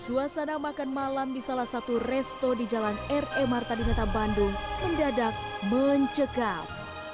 suasana makan malam di salah satu resto di jalan r e marta di natabandung mendadak mencegah